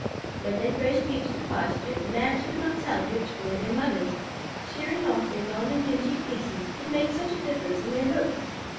When they first reached the pasture, the Lambs could not tell which were their mothers. Shearing off their long and dingy fleeces had made such a difference in their looks!